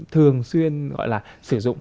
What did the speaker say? thường xuyên gọi là sử dụng